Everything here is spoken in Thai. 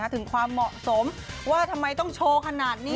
ถึงความเหมาะสมว่าทำไมต้องโชว์ขนาดนี้